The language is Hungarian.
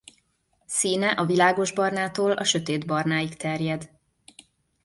Színe a világosbarnától a sötétbarnáig terjed.